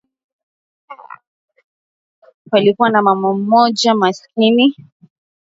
Palikua na mama mmoja maskini ambaye alikuwa anauza maembe pale njiani.